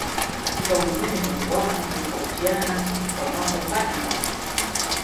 Katika ulimwengu watu hutofautiana kwa mambo mbalimbali